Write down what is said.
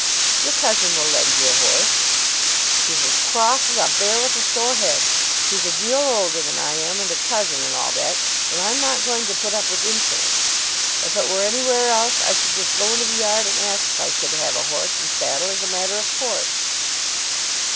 "Your cousin will lend you a horse." "He's as cross as a bear with a sore head. He's a deal older than I am, and a cousin and all that, but I'm not going to put up with insolence. If it were anywhere else I should just go into the yard and ask if I could have a horse and saddle as a matter of course."